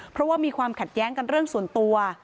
เพราะว่ามีความขัดแย้งกันเรื่องส่วนตัว